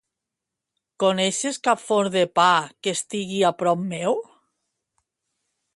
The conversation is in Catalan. Coneixes cap forn de pa que estigui a prop meu?